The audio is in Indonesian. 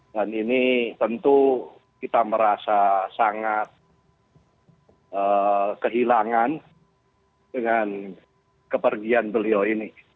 dan ini tentu kita merasa sangat kehilangan dengan kepergian beliau ini